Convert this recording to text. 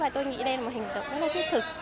tôi nghĩ đây là một hành động rất thiết thực